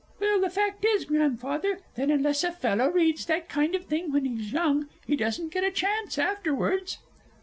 Well, the fact is, Grandfather, that unless a fellow reads that kind of thing when he's young, he doesn't get a chance afterwards.